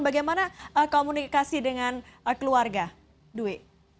bagaimana komunikasi dengan keluarga dwi